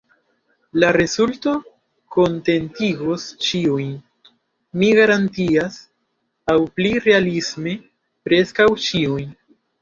La rezulto kontentigos ĉiujn, mi garantias; aŭ pli realisme, preskaŭ ĉiujn.